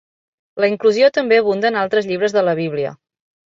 La inclusió també abunda en altres llibres de la Bíblia.